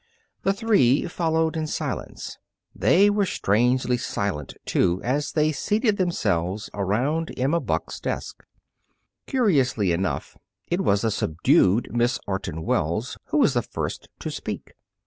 The three followed in silence. They were strangely silent, too, as they seated themselves around Emma Buck's desk. Curiously enough, it was the subdued Miss Orton Wells who was the first to speak.